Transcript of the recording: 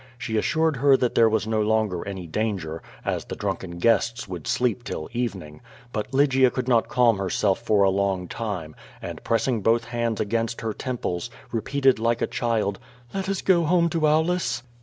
She assured her that there was no longer any danger, as the drunken guests would sleep till evening. But Lygia could not calm herself for a long time, and pressing both hands against her temples, repeated like a child: "Let us go home to Aulus.